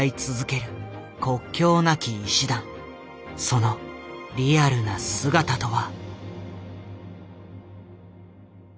そのリアルな姿とは。